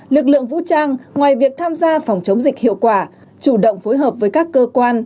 lực lượng vũ trang ngoài việc tham gia phòng chống dịch hiệu quả chủ động phối hợp với các cơ quan